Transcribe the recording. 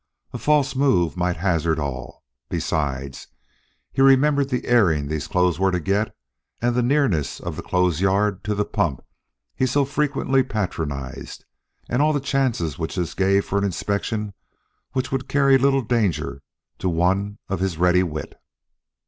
A false move might hazard all; besides, he remembered the airing these clothes were to get and the nearness of the clothes yard to the pump he so frequently patronized, and all the chances which this gave for an inspection which would carry little danger to one of his ready wit.